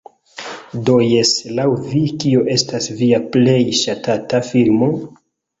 Do jes, laŭ vi, kio estas via plej ŝatata filmo?